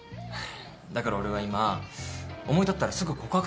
だから俺は今思い立ったらすぐ告白すんだよ。